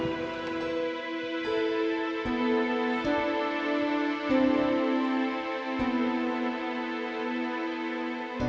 ke diri dirty stray cat